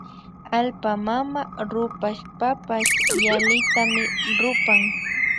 Allpa mama rupashpapash yallitami rupan